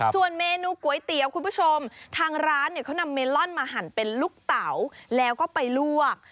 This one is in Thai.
ส่วนเมนูก๋วยเตี๋ยวคุณผู้ชมทางร้านเนี่ยเขานำเมลอนมาหั่นเป็นลูกเต๋าแล้วก็ไปลวก